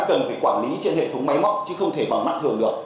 cần phải quản lý trên hệ thống máy móc chứ không thể bằng mắt thường được